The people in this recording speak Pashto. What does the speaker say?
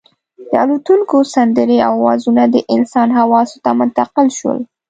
د الوتونکو سندرې او اوازونه د انسان حواسو ته منتقل شول.